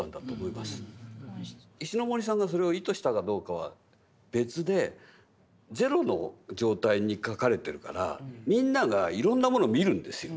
石森さんがそれを意図したかどうかは別でゼロの状態に描かれてるからみんながいろんなものを見るんですよ。